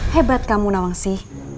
hebat kamu nawansi